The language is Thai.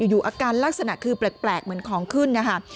อยู่อาการลักษณะคือแปลกเหมือนของขึ้นนะคะ